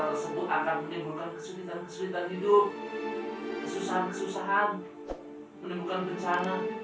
hal tersebut akan menimbulkan kesulitan kesulitan hidup kesusahan kesusahan menimbulkan bencana